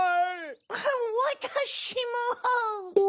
わたしも！